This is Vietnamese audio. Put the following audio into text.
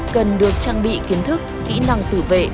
cần được trang bị kiến thức kỹ năng tự vệ